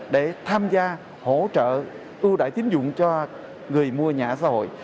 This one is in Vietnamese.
để tham gia hỗ trợ ưu đại tín dụng cho người mua nhà ở xã hội